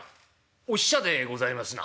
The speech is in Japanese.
「お使者でございますな」。